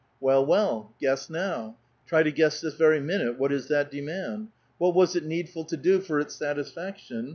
Well, well! Guess now. Tr}* to guess this vei^ minute what is that demand. What was it needful to do for its satisfaction?